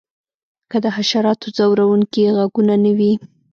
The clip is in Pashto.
که د حشراتو ځورونکي غږونه نه وی